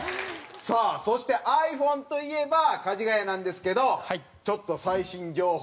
さあそしてｉＰｈｏｎｅといえばかじがやなんですけどちょっと最新情報を。